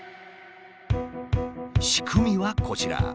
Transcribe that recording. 仕組みはこちら。